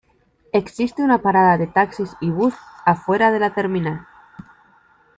Existe una parada de taxis y bus afuera de la terminal.